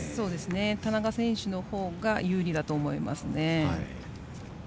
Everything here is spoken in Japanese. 田中選手のほうが有利だと思います。